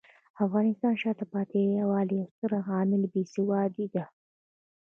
د افغانستان د شاته پاتې والي یو ستر عامل بې سوادي دی.